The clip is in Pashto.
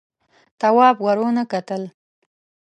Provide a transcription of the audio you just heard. تواب ور ونه کتل.